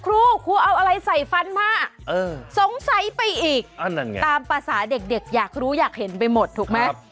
ครูครูเอาอะไรใส่ฟันมาสงสัยไปอีกตามภาษาเด็กอยากรู้อยากเห็นไปหมดถูกไหม